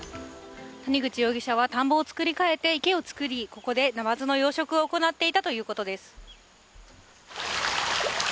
谷口容疑者は田んぼを作り変えて池を作り、ここでナマズの養殖を行っていたということです。